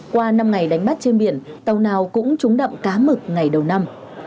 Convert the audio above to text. qua năm ngày đánh bắt trên biển tàu nào cũng trúng đậm cá mực ngày đầu năm